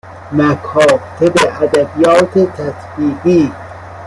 مکاتب ادبیات تطبیقی